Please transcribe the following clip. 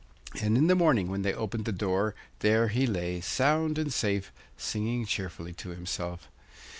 And in the morning when they opened the door there he lay sound and safe, singing cheerfully to himself.